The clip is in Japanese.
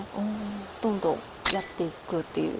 どんどんやっていくっていう。